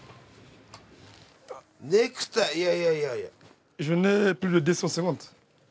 ネクタイいやいやいやいや。